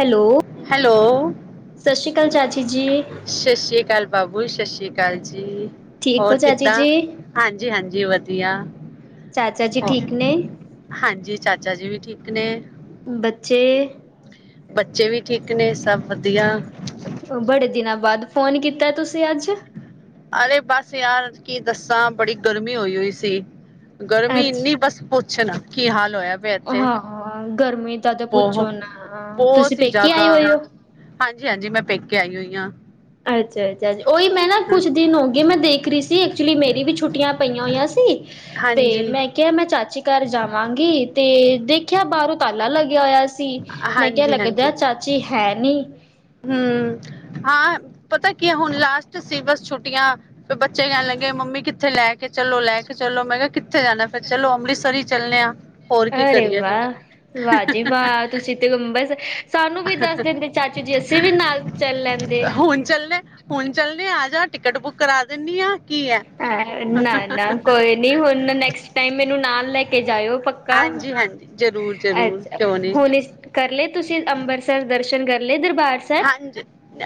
Hello hello, Sat Sri ਅਕਾਲ ਚਾਚੀ। ਜੀ, ਸਤਿ ਸ੍ਰੀ ਅਕਾਲ। ਬਾਬੁਲ ਸਤਿ ਸ਼੍ਰੀ ਅਕਾਲ ਜੀ। ਠੀਕ ਹੋ ਹੋਰ ਚਾਚੀ ਕਿੱਦਾਂ ਜੀ? ਹਾਂਜੀ ਹਾਂਜੀ ਵਧੀਆ ਚਾਚਾ ਜੀ ਹੋ ਠੀਕ ਨੇ? ਹਾਂਜੀ ਚਾਚਾ ਜੀ ਵੀ ਠੀਕ ਨੇ। ਬੱਚੇ, ਬੱਚੇ ਵੀ ਠੀਕ ਨੇ ਸਭ ਵਧੀਆ। ਉਹ ਬੜੇ ਦਿਨਾਂ ਬਾਅਦ ਫੋਨ ਕੀਤਾ ਤੁਸੀਂ ਅੱਜ? ਅਰੇ ਬਸ ਯਾਰ ਕੀ ਦੱਸਾਂ ਬੜੀ ਗਰਮੀ ਹੋਈ ਹੋਈ ਸੀ। ਗਰਮੀ ਅੱਛਾ, ਇੰਨੀ ਬਸ ਪੁੱਛ ਨਾ। ਕੀ ਹਾਲ- ਹੋਇਆ ਪਿਆ ਇੱਥੇ ਹਾਂ ਗਰਮੀ ਦਾ ਤਾਂ ਬਹੁ ਪੁੱਛੋ ਨਾ ਤੁਸੀਂ ਬਹੁਤ ਹੀ ਪੇਕੀ ਜ਼ਿਆਦਾ ਆਏ ਹੋਏ ਹੋ। ਹਾਂਜੀ-ਹਾਂਜੀ ਮੈਂ [unintelligible] ਅੱਛਾ- ਅੱਛਾ- ਓਹੀ ਮੈਂ ਨਾ ਕੁਛ ਦਿਨ ਹੋ ਗਏ ਮੈਂ ਦੇਖ ਰਹੀ ਸੀ ਐਕਚੁਲੀ ਮੇਰੀ ਵੀ ਛੁੱਟੀਆਂ ਪਈਆਂ ਹੋਈਆਂ ਸੀ ਤੇ ਹਾਂਜੀ, ਮੈਂ ਕਿਹਾ ਮੈਂ ਚਾਚੀ ਘਰ ਜਾਵਾਂਗੀ ਤੇ ਦੇਖ ਦੇਖਿਆ ਬਾਹਰੋਂ ਤਾਲਾ ਲੱ ਗਿਆ- ਹੋਇਆ ਸੀ ਮੈਂ ਕਿਹਾ ਹਾਂਜੀ-ਹਾਂਜੀ। ਲੱਗਦਾ ਚਾਚੀ ਹੈ। ਨੀ ਹੂੰ, ਹਾਂ ਪਤਾ ਕੀ ਹੁਣ ਲਾਸਟ ਸੀ ਬਸ ਛੁੱਟੀਆਂ ਫਿਰ ਬੱਚੇ ਕਹਿਣ ਲੱਗੇ ਮੰਮੀ ਕਿੱਥੇ ਲੈ ਕੇ ਚਲੋ। ਲੈ ਕੇ ਚਲੋ। ਮੈਂ ਕਿਹਾ ਕਿੱਥੇ ਜਾਣਾ ਫਿਰ ਚਲੋ ਅੰਮ੍ਰਿਤਸਰ ਹੀ ਚੱਲਦੇ ਆ ਹੋਰ ਕੀ ਅਰੇ ਕਰੀਏ ਫਿਰ ਵਾਹ ਵਾਜੀ ਬਾਤ- ਤੁਸੀਂ ਤੇ ਅੰਬਰਸਰ ਸਾਨੂੰ ਵੀ ਦੱਸ ਦਿੰਦੇ ਚਾਚੂ ਜੀ ਅਸੀਂ ਵੀ ਨਾਲ ਚੱਲ ਲੈਂਦੇ ਜਾਂ ਟਿਕਟ ਬੁੱਕ ਕਰਾ ਦਿੰਦੀ ਆ ਕੀ ਹੈ। ਨਾ ਨਾ ਕੋਈ ਨੀ ਹੁਣ ਨੈਕਸਟ ਟਾਈਮ ਮੈਨੂੰ ਨਾਲ ਲੈ ਕੇ ਜਾਇਓ ਪੱਕਾ ਹਾਂਜੀ-ਹਾਂਜੀ, ਜ਼ਰੂਰ-ਜ਼ਰੂਰ ਅੱਛਾ ਕਿਉਂ ਨੀ ਹੁਣ ਕਰ ਲਏ ਤੁਸੀ ਅੰਬ੍ਰਿਤਸਰ ਦਰਸ਼ਨ ਕਰ ਲੇ ਦਰਬਾਰ ਸਾਹਿਬ? ਹਾਂਜੀ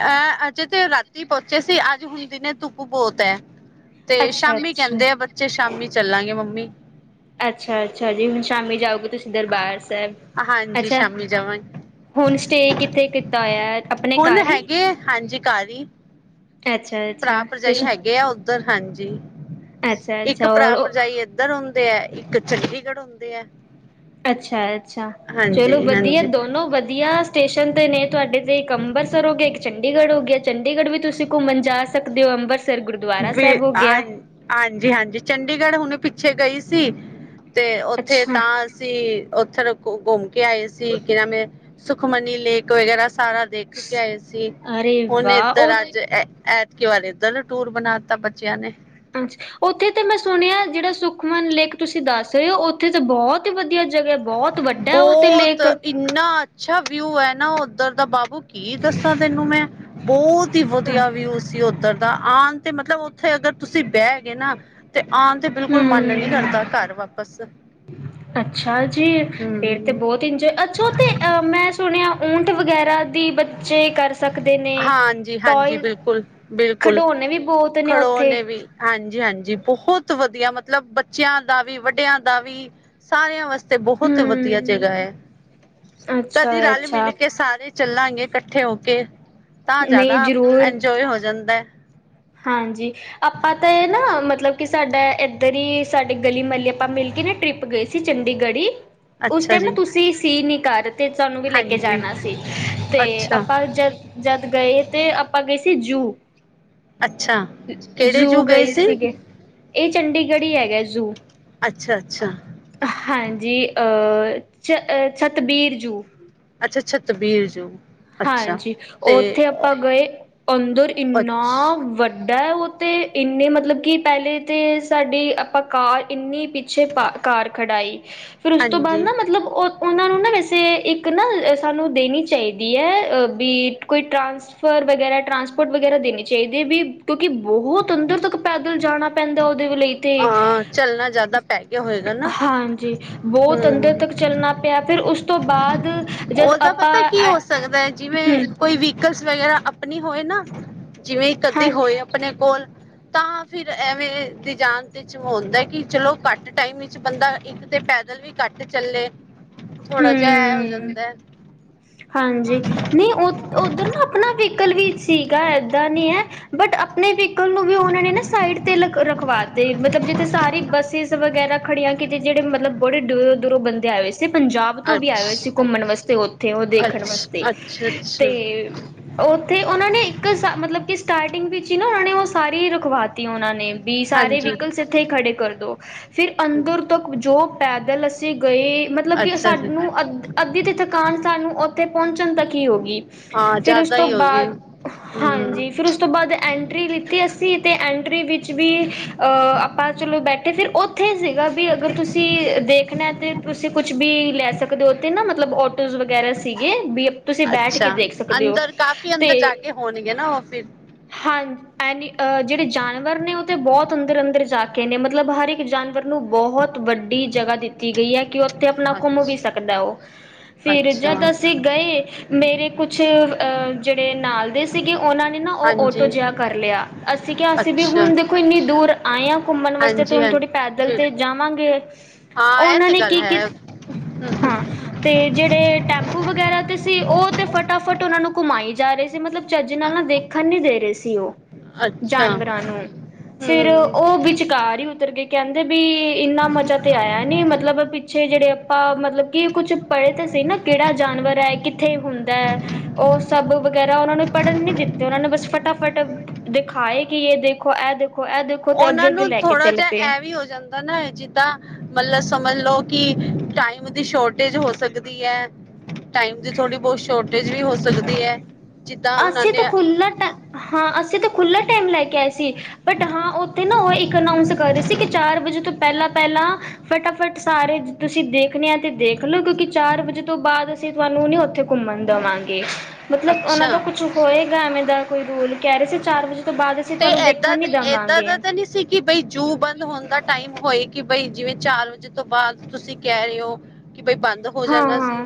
ਅਹ ਅਜੇ ਤੇ ਰਾਤੀ ਪਹੁੰਚੇ ਸੀ ਅੱਜ ਹੁਣ ਦਿਨੇ ਧੁਪ ਬਹੁਤ ਹੈ। ਤੇ ਸ਼ਾਮੀ ਅੱਛਾ-ਅੱਛਾ। ਕਹਿੰਦੇ ਆ ਬੱਚੇ ਸ਼ਾਮੀ ਚੱਲਾਂਗੇ ਮੰਮੀ ਅੱਛਾ -ਅੱਛਾ ਜੀ ਹੁਣ ਸ਼ਾਮੀ ਜਾਓਗੇ ਤੁਸੀਂ ਦਰਬਾਰ ਸਾਹਿਬ ਹਾਂਜੀ ਅੱਛਾ ਸ਼ਾਮੀ ਜਾਵਾਂਗੇ ਹੋਨ ਸਟੇ ਕਿੱਥੇ ਕੀਤਾ ਹੋਇਆ। ਆਪਣੇ ਹੁਣ ਘਰ ਹੀ? ਹੈਗੇ ਹਾਂਜੀ ਘਰ ਭਰਾ ਅੱਛਾ-ਅੱਛਾ ਤੇ ਭਰਜਾਈ ਹੈਗੇ ਆ ਉੱਧਰ ਹਾਂਜੀ [inaudible] ਇੱਕ ਅੱਛਾ-ਅੱਛਾ ਭਰਾ ਔਰ ਭਰਜਾਈ ਏਧਰ ਹੁੰਦੀ ਤੇਹੈ। ਇਕ ਚੰਡੀਗੜ੍ਹ ਹੁੰਦੀ ਹੈ। ਅੱਛਾ- ਅੱਛਾ ਚਲੋ ਹਾਂਜੀ ਵਧੀਆ ਹਾਂਜੀ ਦੋਨੋ ਵਧੀਆ ਸਟੇਸ਼ਨ ਤੇ ਨੇ ਤੁਹਾਡੇ ਇੱਕ ਅੰਮ੍ਰਰਤਸਰ ਹੋ ਗਿਆ ਇੱਕ ਚੰਡੀਗੜ੍ਹ ਹੋ ਗਿਆ ਚੰਡੀਗੜ੍ਹ ਵੀ ਤੁਸੀਂ ਘੁੰਮਣ ਜਾ ਸਕਦੇ ਹੋ। ਅੰਮ੍ਰਰਤਸਰ ਵੀ ਹਾਂ ਹਾਂਜੀ- ਹਾਂਜੀ ਚੰਡੀਗੜ੍ਹ ਹੁਣੇ ਪਿੰਡ ਪਿੱਛੇ ਗਈ ਸੀ ਤੇ ਉੱਥੇ ਅੱਛਾ ਤਾਂ ਅਸੀ ਉਥੇ ਘੁੰਮ ਕੇ ਆਏ ਸੀ ਕਿ ਨਵੇਂ ਸੁਖਮਨੀ ਲੇਕ ਵਗੈਰਾ ਸਾਰਾ ਦੇਖ ਕੇ ਆਏ ਸੀ ਅਰੇ ਹੁਣ ਵਾਹ ਇਧਰ ਉਹ ਅੱਜ ਕਿ ਵਾਲ ਦੱਲ ਟੂਰ ਬਣਾ ਦਿੱਤਾ ਬੱਚਿਆਂ ਨੇ, ਹਾਂਜੀ ਉੱਥੇ ਤੇ ਮੈਂ ਸੁਣਿਆ ਜਿਹੜਾ ਸੁਖਮਨ ਲੇਕ ਤੁਸੀਂ ਦੱਸ ਰਹੇ ਹੋ ਉੱਥੇ ਤਾਂ ਬਹੁਤ ਹੀ ਵਧੀਆ ਜਗ੍ਹਾ ਬਹੁਤ ਵੱਡਾ ਉਹ ਤੇ ਬਹੁਤ ਲੇਕ ਇੰਨਾ ਅੱਛਾ ਵਿਊ ਹੈ ਨਾ, ਉੱਧਰ ਦਾ ਬਾਬੂ ਕੀ ਦੱਸਾਂ ਤੈਨੂੰ ਮੈਂ ਬਹੁਤ, ਵਧੀਆ ਵੀਊ ਸੀ ਉੱਧਰ, ਤਾਂ ਆਣ ਤੇ ਮਤਲਬ ਉੱਥੇ ਅਗਰ ਤੁਸੀਂ ਬਹਿ ਗਏ ਨਾ। ਤੇ ਆਣ ਤੇ ਬਿਲਕੁਲ ਮਨ ਨੀ ਹੂੰ ਕਰਦਾ ਘਰ ਵਾ ਬਸ ਅੱਛਾ ਜੀ ਫਰ ਤੇ ਹਮ ਬਹੁਤ ਇੰਜੋਏ ਅੱਛਾ ਤੇ ਅ ਮੈਂ ਸੁਣਿਆ। ਵੋਟ ਵਗੈਰਾ ਦੀ ਬੱਚੇ ਕਰ ਸਕਦੇ ਨੇ ਹਾਂਜੀ ਹਾਂਜੀ ਟੋਇਜ਼ ਬਿਲਕੁਲ ਬਿਲਕੁਲ ਖਿਡੌਣੇ ਵੀ ਬਹੁਤ ਨੇ ਉੱਥੇ ਖੜੋਨੇ ਵੀ ਹਾਂਜੀ। ਜੀ ਹਾਂਜੀ ਬਹੁਤ ਵਧੀਆ ਮਤਲਬ ਬੱਚਿਆਂ ਦਾ ਵੀ ਵੱਡਿਆਂ ਦਾ ਵੀ ਸਾਰਿਆਂ ਵਾਸਤੇ ਤੇ ਬਹੁਤ ਵਧੀਆ ਜਗ੍ਹਾ ਹੂੰ ਹੈ ਕਦੀ ਰਲ ਮਿਲ ਅੱਛਾ-ਅੱਛਾ ਕੇ ਸਾਰੇ ਚੱਲਾਂਗੇ ਇਕੱਠੇ ਹੋ ਕੇ ਤਾਂ ਨਹੀਂ ਜ਼ਿਆਦਾ ਜ਼ਰੂਰ ਇੰਜੋਏ ਹੋ ਜਾਂਦਾ। ਹਾਂਜੀ ਆਪਾਂ ਤਾਂ ਇਹ ਨਾ ਮਤਲਬ ਕਿ ਸਾਡਾ ਇੱਧਰ ਹੀ ਸਾਡੇ ਗਲੀ ਮੁਹੱਲੇ ਆਪਾਂ ਮਿਲ ਕੇ ਨਾ ਟਰਿੱਪ ਗਏ ਸੀ ਚੰਡੀਗੜ੍ਹੀ ਹੀ ਉਸ ਅੱਛਾ ਟਾਈਮ ਨਾ ਜੀ, ਤੁਸੀਂ ਸੀ ਨ ਘਰ ਅਤੇ ਸਾਨੂੰ ਵੀ ਲੈ ਕੇ ਹਾਂਜੀ, ਜਾਣਾ ਸੀ ਅਤੇ ਅੱਛਾ, ਆਪਾਂ ਜਦ ਜਦ ਗਏ ਤੇ ਆਪਾਂ ਗਏ ਸੀ ਜੂ ਅੱਛਾ ਕਿਹੜੇ ਜ਼ੂ ਜੂ ਗਏ ਸੀ। ਸੀਗੇ ਇਹ ਚੰਡੀਗੜ੍ਹ ਹੀ ਹੈਗਾ ਜ਼ੂ। ਅੱਛਾ, ਅੱਛਾ, ਹਾਂਜੀ ਅਹ ਛਹ ਛਤਬੀਰ ਜੂ, ਅੱਛਾ ਅੱਛਾ ਸਤਬੀਰ ਜੂ, ਅੱਛਾ। ਹਾਂਜੀ ਤੇ ਉੱਥੇ ਆਪਾਂ ਗਏ ਅੰਦਰ ਇੰਨਾ ਅੱਛ ਵੱਡਾ ਸਾਡਾ ਉਹ ਤਾਂ ਇੰਨੇ ਮਤਲਬ ਕਿ ਪਹਿਲੇ ਤਾਂ ਸਾਡੀ ਆਪਾਂ ਕਾਰ ਇੰਨੀ ਪਿੱਛੇ ਪਾ ਕਾਰ ਖੜ੍ਹਾਈ। ਫੇਰ ਉਸ ਤੋਂ ਬਾਅਦ ਹਾਂਜੀ, ਨਾ ਮਤਲਬ ਉਹ ਉਹਨਾਂ ਨੂੰ ਨਾ ਵੈਸੇ ਇੱਕ ਇੱਕ ਨਾ ਸਾਨੂੰ ਦੇਣੀ ਚਾਹੀਦੀ। ਹ ਵੀ ਕੋਈ ਟਰਾਂਸਫਰ ਵਗੈਰਾ ਟਰਾਂਸਪੋਰਟ ਵਗੈਰਾ ਦੇਣੀ ਚਾਹੀਦੀ ਹੈ ਵੀ ਕਿਉਂਕਿ ਬਹੁਤ ਅੰਦਰ ਤੱਕ ਪੈਦਲ ਜਾਣਾ ਪੈਂਦਾ ਉਹ ਲਈ ਤੇ ਅ ਚੱਲਣਾ ਜ਼ਿਆਦਾ ਪੈ ਗਿਆ ਹੋਏਗਾ ਨਾ। ਹਾਂਜੀ ਬਹੁਤ ਅੰਦਰ ਹੂੰ, ਤੱਕ ਚੱਲਣਾ ਪਿਆ ਫਿਰ ਉਸ ਤੋਂ ਬਾਅਦ ਜਦ ਉਹਦਾ ਆਪਾਂ ਪਤਾ ਕੀ ਹੋ ਸਕਦਾ ਹੈ ਹਮ ਜਿਵੇਂ ਕੋਈ ਵਹੀਕਲ ਵਗੈਰਾ ਆਪਣੇ ਹੋਏ ਨਾ ਜਿਵੇਂ ਕੱਦੀ ਹਾਂ ਹੋਏ ਆਪਣੇ ਕੋਲ ਤਾਂ ਫਿਰ ਐਵੇਂ ਦੀ ਜਾਣ ਚ ਹੁੰਦਾ ਕਿ ਚਲੋ ਘੱਟ ਟਾਈਮ ਵਿੱਚ ਬੰਦਾ ਇੱਕ ਤੇ ਪੈਦਲ ਵੀ ਘੱਟ ਚੱਲੇ ਥੋੜਾ ਜਿਹਾ ਹੋ ਹੂੰ ਜਾਂਦਾ। ਹਾਂਜੀ ਨਹੀਂ ਉ ਉੱਧਰ ਨਾ ਆਪਣਾ ਵਕਲ ਵੀ ਸੀਗਾ। ਏਦਾਂ ਨਹੀਂ ਹੈ ਬਟ ਆਪਣੇ ਵੀ ਨੂੰ ਵੀ ਉਹਨਾਂ ਨੇ ਨਾ ਸਾਈਡ ਤੇ ਲ ਰਖਵਾ ਤੇ ਮਤਲਬ ਜਿੱਥੇ ਸਾਰੀ ਬੱਸਿਸ ਵਗੈਰਾ ਖੜੀਆਂ। ਕਿਤੇ ਜਿੜੇ ਮਤਲਬ ਬੜੇ ਦੂਰੋਂ ਦੂਰੋਂ ਬੰਦੇ ਆਏ ਸੀ। ਅ ਪੰਜਾਬ ਤੋਂ ਵੀ ਅੱਛ ਆਏ ਹੋਏ ਸੀ ਘੁੰਮਣ ਵਾਸਤੇ ਉਹ ਉਹ ਦੇਖਣ ਅੱਛ ਵਾਸਤੇ ਅੱਛਾ ਤੇ ਅੱਛਾ ਉਹ ਉੱਥੇ ਉਹਨਾਂ ਨੇ ਇੱਕ ਮਤਲਬ ਕਿ ਸਟਾਰਟਿੰਗ ਵਿੱਚ ਹੀ ਨਾ ਉਹਨਾਂ ਨੇ ਉਹ ਸਾਰੀ ਰਖਵਾਤੀ ਉਹਨਾਂ ਨੇ ਵੀ ਸਾਰੇ ਹਾਂਜੀ ਵਹੀਕਲਸ ਇੱਥੇ ਹੀ ਖੜੇ ਕਰਦੋ ਫਿਰ ਅੰਦਰ ਤੋਂ ਜੋ ਪੈਦਲ ਅਸੀਂ ਗਏ ਮਤਲਬ ਕਿ ਅੱਛਾ ਜੀ ਸਾਨੂੰ ਅੱਧ ਅੱਧੀ ਤੇ ਥਕਾਨ ਨੂੰ ਉੱਥੇ ਪਹੁੰਚਣ ਤੱਕ ਹੀ ਹੋ ਗਗੀ। ਹਾਂ ਫੇਰ ਉਸ ਜ਼ਿਆਦਾ ਤੋਂ ਹੀ ਹੋ ਗਏ ਬਾਅਦ ਹਾਂਜੀ ਹੂੰ ਫਿਰ ਉਸ ਤੋਂ ਬਾਅਦ ਐਂਟਰੀ ਲਿਤੀ ਅ। ਸੀ ਤੇ ਐਂਟਰੀ ਵਿੱਚ ਵੀ ਅ ਆਪਾਂ ਚਲੋ ਬੈਠੇ ਫਿਰ ਉਹ ਉੱਥੇ ਸੀਗਾ ਵੀ ਅਗਰ ਤੁਸੀਂ ਦੇਖਣਾ ਤੇ ਤੁਸੀਂ ਕੁੱਛ ਵੀ ਲੈ ਸਕਦੇ ਹੋ ਉਥੇ ਨਾ ਮਤਲਬ ਆਟੋਜ਼ ਵਗ ਵਗੈਰਾ ਸੀਗੇ ਵੀ ਤੁਸੀਂ ਬੈਠ ਕੇ ਅੱਛਾ ਦੇਖ ਸਕਦੇ ਹੋ ਅੰਦਰ ਕਾਫੀ ਤੇ ਅੰਦਰ ਜਾ ਕੇ ਹੋਣਗੇ ਨਾ ਉਹ ਫਿਰ ਹਾਂਜੀ ਐਨੀ ਅ ਜਿਹੜੇ ਜਾਨਵਰ ਨੇ ਉਹ ਤੇ ਬਹੁਤ ਅੰਦਰ ਅੰਦਰ ਜਾ ਕੇ ਨੇ ਮਤਲਬ ਹਰ ਇੱਕ ਜਾਨਵਰ ਨੂੰ ਬਹੁਤ ਵੱਡੀ ਜਗ੍ਹਾ ਦਿੱਤੀ ਗਈ ਹੈ ਕਿ ਉਹ ਉੱਥੇ ਆਪਣਾ ਘੁੰਮ ਵੀ ਅੱਛਾ ਸਕਦਾ ਉਹ ਫਿਰ ਅੱਛਾ ਜਦ ਅਸੀਂ ਗਏ ਮੇਰੇ ਕੁਛ ਅਹ ਜਿਹੜੇ ਨਾਲ ਦੇ ਸੀਗੇ ਉਹਨਾਂ ਨੇ ਨਾ ਉਹ ਹਾਂਜੀ ਆਟੋ ਜਿਹਾ ਕਰ ਲਿਆ ਅਸੀਂ ਕਿਹਾ ਸੀ ਵੀ ਅੱਛਾ ਹੁਣ ਦੇਖੋ ਇੰਨੀ ਦੂਰ ਆਏ ਹਾਂ ਘੁੰਮਣ ਵਾਸਤੇ ਤੇ ਹਾਂਜੀ ਹੁਣ ਥੋੜੀ ਹਾਂਜੀ ਪੈਦਲ ਤੇ ਫਿਰ- ਜਾਵਾਂਗੇ ਹਾਂ ਇਹ ਉਹਨਾਂ ਤੇ ਨੇ ਗੱਲ ਕੀ ਕੀ ਹੈ ਹਾਂ ਤੇ ਜਿਹੜੇ ਟੈਂਪੂ ਵਗੈਰਾ ਤੇ ਸੀ ਉਹ ਤੇ ਫਟਾਫਟ ਉਹਨਾ ਨੂੰ ਘੁਮਾਈ ਜਾ ਰਹੀ ਸੀ ਮਤਲਬ ਚੱਜ ਨਾਲ ਨਾ ਦੇਖਣ ਨੀ ਦੇ ਰਹੇ ਸੀ ਉਹ ਅੱਛਾ ਜਾਨਵਰਾਂ ਨੂੰ ਫਿਰ ਹੂੰ ਉਹ ਵਿਚਕਾਰ ਹੀ ਉਤਰ ਕੇ ਕਹਿੰਦੇ ਵੀ ਇੰਨਾ ਮਜ਼ਾ ਤੇ ਆਇਆ ਨੀ ਮਤਲਬ ਪਿੱਛੇ ਜਿਹੜੇ ਆਪਾਂ ਮਤਲਬ ਕਿ ਕੁੱਛ ਪੜ੍ਹੇ ਤੇ ਨਾ ਕਿਹੜਾ ਜਾਨਵਰ ਹੈ ਕਿੱਥੇ ਹੁੰਦਾ ਹੈ ਉਹ ਸਭ ਵਗੈਰਾ ਉਹਨਾਂ ਨੂੰ ਪੜ੍ਹਨ ਨੀ ਦਿੱਤੇ ਉਹਨਾਂ ਨੇ ਬਸ ਫਟਾਫਟ ਦਿਖਾਏ ਕਿ ਇਹ ਦੇਖੋ ਇਹ ਦੇਖੋ ਇਹ ਦੇਖੋ ਤੇ ਅੱਗੇ ਉਹਨਾਂ ਅੱਗੇ ਨੂੰ ਲੈ ਕੇ ਥੋੜਾ ਚੱਲ ਪਏ ਜਿਹਾ ਇਹ ਵੀ ਹੋ ਜਾਂਦਾ ਨਾ ਜਿੱਦਾਂ ਮਤਲਬ ਸਮਝ ਲੋ ਕਿ ਟਾਈਮ ਦੀ ਸ਼ੋਰਟੇਜ ਹੋ ਸਕਦੀ ਹੈ ਟਾਈਮ ਦੀ ਥੋੜੀ ਬਹੁਤ ਸ਼ੋਰਟੇਜ ਵੀ ਹੋ ਸਕਦੀ ਹੈ। ਜਿੱਦਾਂ ਉਹਨਾਂ ਅਸੀਂ ਨੇ ਤਾਂ ਖੁੱਲ ਹਾਂ ਅਸੀਂ ਤਾਂ ਖੁੱਲ ਟਾਈਮ ਲੈ ਕੇ ਆਏ ਸੀ ਬਟ ਹਾਂ ਉੱਥੇ ਨਾ ਉਹ ਇੱਕ ਅਨਾਊਸ ਕਰ ਰਹੇ ਸੀ ਕਿ ਚਾਰ ਵਜੇ ਤੋਂ ਪਹਿਲਾਂ ਪਹਿਲਾਂ ਫਟਾਫਟ ਸਾਰੇ ਤੁਸੀਂ ਦੇਖਣੇ ਆ ਤੇ ਦੇਖਲਓ ਕਿਉਂਕਿ ਚਾਰ ਵਜੇ ਤੋਂ ਬਾਅਦ ਅਸੀਂ ਤੁਹਾਨੂੰ ਨ ਉੱਥੇ ਘੁੰਮਣ ਦੇਵਾਂਗੇ ਮਤਲਬ ਉਹਨਾਂ ਅੱਛਾ। ਦਾ ਕੁਛ ਹੋਏਗਾ ਐਵੇਂ ਦਾ ਕੋਈ ਰੂਲ ਕੈ ਰੇ ਸੀ ਚਾਰ ਵਜੇ ਤੋਂ ਬਾਅਦ ਅਸੀਂ ਤੇ ਤੁਹਾਨੂੰ ਦੇਖਣ ਏਦਾਂ ਨੀ ਦਾ ਏਦਾਂ ਦੇਵਾਂਗੇ ਦਾ ਤਾਂ ਨਹੀਂ ਸੀ ਕਿ ਬਈ ਜੂ ਬੰਦ ਹੋਣ ਦਾ ਟਾਈਮ ਹੋਏ ਕਿ ਬਾਈ ਜਿਵੇਂ ਚਾਰ ਵਜੇ ਤੋਂ ਬਾਅਦ ਤੁਸੀਂ ਕਹਿ ਰਹੇ ਹੋ ਕਿ ਬਈ ਬੰਦ ਹੋ ਜਾਣਾ ਸੀ ਹਾਂ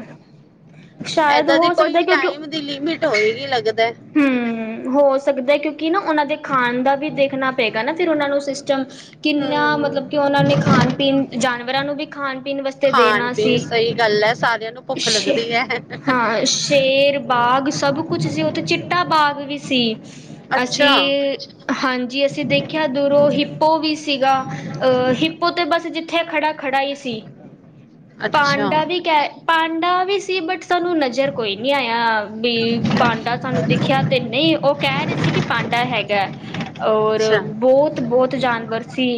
ਸ਼ਾਇਦ ਏਦਾਂ ਦੀ ਹੋ ਕੋਈ ਸਕਦਾ ਕਿਉਂਕਿ ਟਾਈਮ ਦੀ ਲਿਮਿਟ ਹੋਏਗੀ ਲੱਗਦਾ ਹੈ। ਹੂੰ ਹੋ ਸਕਦਾ ਕਿਉਂਕਿ ਨਾ ਉਹਨਾਂ ਦੇ ਖਾਣ ਦਾ ਵੀ ਦੇਖਣਾ ਪਏਗਾ ਫ਼ਿਰ ਉਹਨਾਂ ਨੂੰ ਸਿ ਸਟਮ ਚ ਕਿੰਨਾ ਹਮ ਮਤਲਬ ਕਿ ਉਹਨਾਂ ਨੇ ਖਾਣ ਪੀਣ ਜਾਨਵਰਾਂ ਨੂੰ ਵੀ ਖਾਣ ਪੀਣ ਵਾਸਤੇ ਖਾਣ ਦੇਣਾ ਪੀਣ ਸੀ ਸਹੀ ਗੱਲ ਹੈ ਸਾਰਿਆਂ ਨੂੰ ਭੁੱਖ ਸ਼ੇ ਲੱਗਦੀ ਹੈ ਹਾਂ ਸ਼ੇਰ ਬਾਗ ਸਭ ਕੁਛ ਸੀ ਉ ਚਿੱਟਾ ਬਾਗ ਵੀ ਸੀ ਅਸੀਂ ਅੱਛਾ ਹਾਂਜੀ ਅਸੀਂ ਦੇਖਿਆ ਦੂਰੋਂ ਹਿੱਪੋ ਵੀ ਸੀਗਾ ਅਹ ਹਿੱਪੋ ਤੇ ਬਸ ਜ ਉੱਥੇ ਖੜ੍ਹਾ ਖੜਾ ਹੀ ਸੀ ਅੱਛਾ ਪਾਂਡਾ ਵੀ ਕਹਿ ਪਾਂ ਡਾ ਵੀ ਸੀ ਬਟ ਸਾਨੂੰ ਨਜ਼ਰ ਕੋਈ ਨੀ ਆਇਆ ਵੀ ਪਾਂਡਾ ਸਾਨੂੰ ਦੇਖਿਆ ਤੇ ਨਹੀਂ ਉਹ ਕਹਿ ਰਹੇ ਸੀ ਕਿ ਪਾਂਡਾ ਹੈਗਾ ਔਰ ਅੱਛਾ ਬਹੁਤ ਬਹੁਤ ਜਾਨਵਰ ਸੀ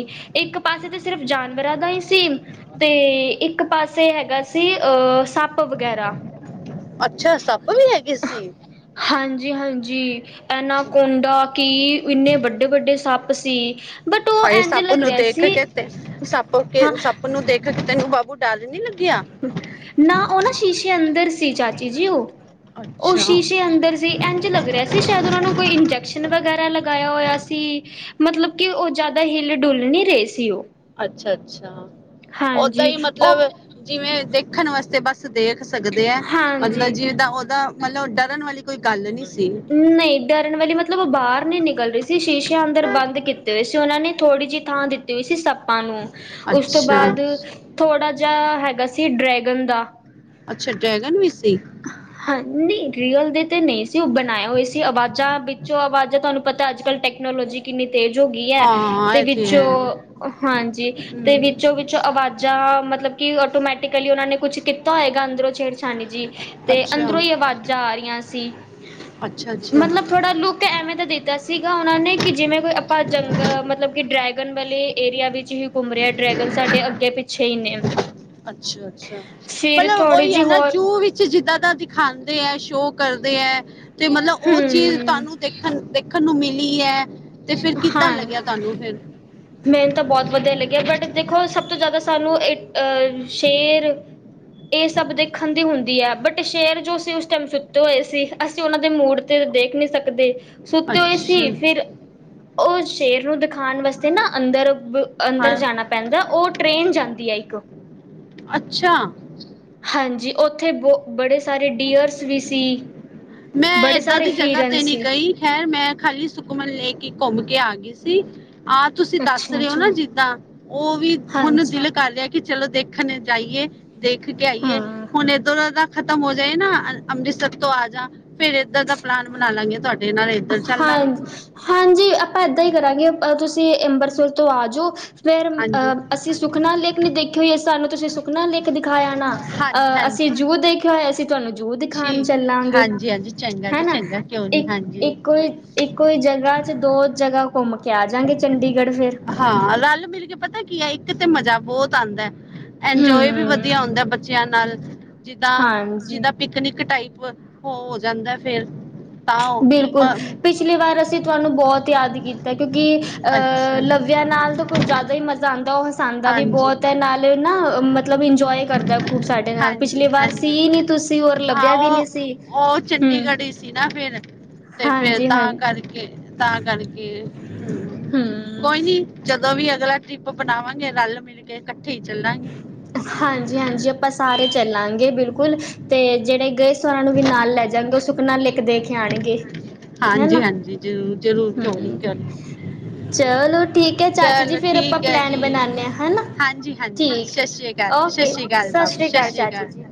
ਇੱਕ ਪਾਸੇ ਤਾਂ ਸਿਰਫ ਜਾਨਵਰਾਂ ਦਾ ਹੀ ਸੀ ਤੇ ਇੱਕ ਪਾਸੇ ਹੈਗਾ ਸੀ ਅਹ ਸੱਪ ਵਗੈਰਾ ਅੱਛਾ ਸੱਪ ਵੀ ਹੈਗੇ ਸੀ ਹਾਂਜੀ ਹਾਂਜੀ ਐਨਾਕੋਡਾ ਕਿ ਇੰਨੇ ਵੱਡੇ ਵੱਡੇ ਸੱਪ ਸੀ ਬਟ ਉਹ ਹਾਏ ਇੰਝ ਸੱਪ ਲੱਗ ਨੂੰ ਰਿਹਾ ਦੇਖ ਸੀ ਕੇ ਤੇ ਸੱਪ ਕੇ ਹਾਂ ਸੱਪ ਨੂੰ ਦੇਖ [unintelligible] ਨਾ ਉਹ ਨਾ ਸ਼ੀਸ਼ੇ ਅੰਦਰ ਸੀ ਚਾਚੀ ਜੀ ਉਹ ਉਹ ਅੱਛਾ ਸ਼ੀਸ਼ੇ ਅੰਦਰ ਸੀ ਇੰਝ ਲੱਗ ਰਿਹਾ ਸੀ ਸ਼ਾਇਦ ਉਹਨਾਂ ਨੂੰ ਕੋਈ ਇੰਜੈਕਸ਼ਨ ਵਗੈਰਾ ਲਗਾਇਆ ਹੋਇਆ ਸੀ ਮਤਲਬ ਕਿ ਉਹ ਜ਼ਿਆਦਾ ਹਿੱਲ ਡੁਲ ਨਹੀਂ ਰਹੇ ਸੀ ਉਹ ਅੱਛਾ ਅੱਛਾ ਉਹਦਾਂ ਹਾਂਜੀ ਹੀ ਉਹ ਮਤਲਬ ਜਿਵੇਂ ਦੇਖਣ ਵਾਸਤੇ ਬਸ ਦੇਖ ਸਕਦੇ ਹੈ ਮਤਲਬ ਹਾਂਜੀ ਜਿੱਦਾ ਉਹਦਾ ਮਤਲਬ ਡਰਨ ਵਾਲੀ ਕੋਈ ਗੱਲ ਨਹੀਂ ਸੀ ਨਹੀਂ ਡਰਨ ਵਾਲੀ ਮਤਲਬ ਉਹ ਬਾਹਰ ਨੀ ਨਿਕਲ ਰਹੀ ਸੀ ਸ਼ੀਸ਼ਿਆਂ ਅੰਦਰ ਬੰਦ ਕੀਤੇ ਹੋਏ ਸੀ ਉਹਨਾਂ ਨੇ ਥੋੜ੍ਹੀ ਜਿਹੀ ਥਾਂ ਦਿੱਤੀ ਹੋਈ ਸੀ ਸੱਪਾਂ ਨੂੰ ਉਸ ਤੋਂ ਅੱਛਾ ਬਾਅਦ ਥੋੜਾ, ਹੈਗਾ ਸੀ ਡਰੈਗਨ ਦਾ ਅੱਛਾ ਡਰੈਗਨ ਵੀ ਹਨ ਨੀ ਰੀਅਲ ਦੇ ਤੇ ਨਹੀਂ ਸੀ ਉਹ ਬਣਾਏ ਹੋਏ ਸੀ ਆਵਾਜ਼ਾਂ ਵਿੱਚੋਂ ਆਵਾਜ਼ਾਂ ਤੁਹਾਨੂੰ ਪਤਾ ਅੱਜ ਕੱਲ੍ਹ ਟੈਕਨੋਲੋਜੀ ਕਿੰਨੀ ਤੇਜ ਹੋ ਗਈ ਹੈ ਹਾਂ ਤੇ ਇਹ ਵਿੱਚੋਂ ਹੈ ਹਾਂਜੀ ਤੇ ਹਮ ਵਿੱਚੋਂ ਵਿੱਚੋਂ ਆਵਾਜ਼ਾਂ ਮਤਲਬ ਕਿ ਆਟੋਮੈਟਿਕਲੀ ਉਹਨਾਂ ਨੇ ਕੁਛ ਕੀਤਾ ਹੋਏਗਾ ਅੰਦਰੋਂ ਛੇੜਛਾਨੀ ਜੀ ਤੇ ਅੱਛਾ ਅੰਦਰੋਂ ਹੀ ਆਵਾਜ਼ਾਂ ਆ ਰਹੀਆਂ ਸੀ ਅੱਛਾ ਅੱਛਾ ਮਤਲਬ ਥੋੜਾ ਲੁੱਕ ਐਵੇਂ ਤਾਂ ਦਿੱਤਾ ਸੀਗਾ ਉਹਨਾਂ ਨੇ ਕਿ ਜਿਵੇਂ ਕੋਈ ਆਪਾਂ ਜੰਗਲ ਮਤਲਬ ਕਿ ਡ੍ਰੈਗ ਐਮ ਐਲ ਲੈ ਏਰੀਆ ਵਿੱਚ ਵੀ ਘੁੰਮ ਰਿਹਾ ਡਰੈਗਨ ਸਾਡੇ ਅੱਗੇ ਪਿੱਛੇ ਹੀ ਨੇੇ ਅੱਛਾ ਅੱਛਾ, ਮਤਲਬ ਥੋੜ੍ਹੀ ਉਹੀ ਹੈ ਜਿਹੀ ਨਾ ਹੋਰ ਜੂ ਵਿੱਚ ਜਿੱਦਾਂ ਤਾਂ ਦਿਖਾਉਂਦੇ ਹੈ ਸ਼ੋਅ ਕਰਦੇ ਐ। ਤੇ ਮਤਲਬ ਉਹ ਚੀਜ਼ ਹਮ ਤੁਹਾਨੂੰ ਦੇਖਣ ਦੇਖਣ। ਖਣ ਨੂੰ ਮਿਲੀ ਹੈ। ਤੇ ਫਿਰ ਕਿੱਦਾਂ ਹਾਂ ਲੱਗਿਆ ਤੁਹਾਨੂੰ ਫਿਰ ਮੈਨੂੰ ਤਾਂ ਬਹੁਤ ਵਧੀਆ ਲੱਗਿਆ ਬਟ ਦੇਖੋ ਸ ਸਭ ਤੋਂ ਜ਼ਿਆਦਾ ਸਾਨੂੰ ਇਹ ਅਹ ਸ਼ੇਰ ਇਹ ਸਭ ਦੇਖਣ ਦੀ ਹੁੰਦੀ ਹੈ ਬਟ ਸ਼ੇਰ ਜੋ ਅਸੀਂ ਉਸ ਟਾਈਮ ਸੁੱਤੇ ਹੋਏ ਸੀ ਅਸੀਂ ਉਹਨਾਂ ਦੇ ਮੂਡ ਤੇ ਦੇਖ ਨੀ ਸਕਦੇ ਸੁੱਤੇ ਹੋਏ ਅੱਛਾ ਸੀ ਫਿਰ ਉਹ ਸੇਰ ਨੂੰ ਦਿਖਾਣ ਵਾਸਤੇ ਤੇ ਨਾ ਅੰਦਰ ਅੰਦਰ ਹਾਂ ਜਾਣਾ ਪੈਂਦਾ ਉਹ ਟ੍ਰੇਨ ਜਾ ਹੁੰਦੀ ਐ ਇਕ ਅੱਛਾ ਹਾਂਜੀ ਉੱਥੇ ਬਹੁ ਬੜੇ ਸਾਰੇ ਡੀਅਰਸ ਵੀ ਸੀ। ਮੈਂ ਬੜੇ ਏਦਾਂ ਸਾਰੇ ਦੀ ਜਗ੍ਹਾ ਹੀਰਨ ਤੇ ਨਹੀਂ ਸੀ ਗਈ ਖੈਰ ਮੈਂ ਖਾਲੀ ਸੁਖਮਨ ਲੈਕ ਕੀ ਘੁੰਮ ਕੇ ਆ ਗਈ ਸੀ। ਆਹ ਤੁਸੀਂ ਦੱਸ ਅੱਛਾ ਰਹੇ ਹੋ ਨਾ ਅੱਛਾ ਜਿੱਦਾਂ ਉਹ ਵੀ ਹੁਣ ਹਾਂਜੀ ਦਿਲ ਕਰ ਰਿਹਾ ਐ। ਕਿ ਚਲੋ ਦੇਖਣ ਜਾਈਏ। ਦੇਖ ਕੇ ਆਈਏ ਹਾਂ ਹੁਣ ਇੱਧਰ ਦਾ ਖ਼ਤਮ ਹੋ ਜਾਏ ਨਾ ਅੰਮ੍ਰਿਤਸਰ ਤੋਂ ਆ ਜਾ ਫੇਰ ਇੱਧਰ ਦਾ ਪੈਲਾਨ ਬਣਾ ਲਾਂਗੇ ਤੁਹਾਡੇ ਨਾਲ ਚੱਲ ਲਾਂਗੇ ਹਾਂਜੀ ਹਾਂਜੀ ਆਪਾਂ ਏਦਾਂ ਹੀ ਕਰਾਂਗੇ ਤੁਸੀਂ ਅੰਬ੍ਰਿਤਸਰ ਤੋਂ ਆ ਜਾਓ ਫੇਰ ਹਾਂਜੀ ਅਹ ਅਸੀਂ ਸੁਖਨਾ ਲੇਕ ਨਹੀਂ ਦੇਖੀ ਹੋਈ ਸਾਨੂੰ ਤੁਸੀਂ ਸੁੁਖਨਾ ਲੇਖ। ਦਿਖਾਇਆ ਨਾ ਹਾਂਜੀ ਅਹ ਅਸੀਂ ਹਾਂਜੀ ਜੂ ਦੇਖਿਆ ਹੋਏ ਅਸੀਂ ਤੁਹਾਨੂੰ ਜੂ ਦਿਖਾਉਣ ਠੀਕ ਚੱਲਾਂਗੇ ਹਾਂਜੀ ਹਾਂਜੀ ਚੰਗਾ ਜੀ ਹਨਾ ਚੰਗਾ ਕਿਉਂ ਨਹੀਂ ਇੱਕ ਹਾਂਜੀ ਇੱਕ। ਇੱਕੋ ਹੀ ਜਗ੍ਹਾ ਚ ਦੋ ਜਗ੍ਹਾ। ਘੁੰਮ ਕੇ ਆਜਗੇ ਚੰਡੀਗੜ੍ਹ ਫਿਰ। ਹਾਂ ਰਲ ਮਿਲ ਕੇ ਪਤਾ ਕੀ ਹੈ ਇੱਕ ਤੇ ਮਜ਼ਾ ਬਹੁਤ ਆਉਂਦਾ ਹੈ। ਇੰਜੋਏ ਵੀ ਹੂੰ ਵਧੀਆ ਹੁੰਦਾ ਬੱਚੇ। ਬੱਚਿਆਂ ਨਾਲ। ਜਿੱਦਾਂ ਹਾਂਜੀ ਜਿੱਦਾਂ ਪਿਕਨਿਕ ਟਾਈਪ। ਵ ਉਹ ਹੋ ਜਾਂਦਾ ਫੇਰ। ਬਿਲਕੁਲ ਪਿਛਲੀ ਵਾਰ ਅਸੀਂ ਤੁਹਾਨੂੰ ਬਹੁਤ ਯਾਦ ਕੀਤਾ ਕਿਉਂਕਿ? ਅਸੀਂ ਅਹ ਅੱਛਾ ਲਵਿਆਂ ਨਾਲ ਤਾਂ ਕੁੱਝ ਜ਼ਿਆਦਾ ਹੀ ਮਜ਼ਾ ਆਉਂਦਾ ਉਹ। ਖਾਂਦਾ ਵੀ ਹਾਂਜੀ ਬਹੁਤ ਹੈ ਨਾਲ ਨਾ ਮਤਲਬ ਇੰਜੋਏ ਕਰਦਾ ਖੂਬ ਸਾਡੇ ਨਾਲ ਹਾਂਜੀ ਪਿਛਲੀ ਵਾਰ ਹਾਂਜੀ ਸੀ ਨੀ ਤੁਸੀਂ ਹੋਰ ਹਾਂ ਲੱਵਿਆ ਵੀ ਉਹ ਨੀ ਸੀ ਉਹ ਹੂੰ। ਚੰਡੀਗੜ੍ਹ ਹੀ ਸੀ ਨਾ ਤੇ ਫੇਰ ਤਾਂ ਕਰਕੇ ਤਾਂ ਕਰਕੇ ਹੂੰ ਹਮ ਕੋਈ ਨੀ ਜਦੋਂ ਵੀ ਅਗਲਾ। ਟਰਿੱਪ ਬਣਾਵਾਂ। ਬਣਾਵਾਂਗੇ ਰਲ ਮਿਲ ਕੇ। ਹੀ ਚੱਲਾਂਗੇ ਹਾਂਜੀ ਹਾਂਜੀ ਆਪਾਂ ਸਾਰੇ ਚੱਲਾਂਗੇ ਬਿਲਕੁਲ। ਬਿਲਕੁਲ ਤੇ ਜਿਹੜੇ ਗਏ ਸਾਂ ਉਹਨਾਂ ਨੂੰ ਵੀ ਨਾਲ ਲੈ ਜਾਗੇ ਉਹ ਸੁਖਨਾ ਲੇਕ ਦੇਖ ਆਣਗੇ। ਹਨਾ ਹਾਂਜੀ ਹਾਂਜੀ ਜ਼ਰੂਰ ਜ਼ਰੂਰ ਕਿਉਂ ਨੀ ਹੂੰ ਕਿਉਂ ਨੀ ਚਲੋ ਠੀਕ ਹੈ ਚਾਚੀ ਜੀ ਚਲੋ ਫਿਰ ਆਪਾਂ ਠੀਕ ਹੈ ਪਲੈਨ ਜੀ ਬਣਾਦੇ ਹਾਂ ਹਨਾ। ਹਾਂਜੀ ਹਾਂਜੀ ਠੀਕ ਸਤਿ ਹੈ ਸ਼੍ਰੀ ਅਕਾਲ ਓਕੇ ਸ਼੍ਰੀ ਅਕਾਲ ਸਤਿ ਬਾਬੂ ਸ੍ਰੀ ਸਤਿ ਅਕਾਲ ਸ਼੍ਰੀ ਚਾਚੀ ਜੀ।